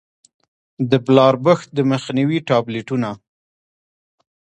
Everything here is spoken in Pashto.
د بلاربښت د مخنيوي ټابليټونه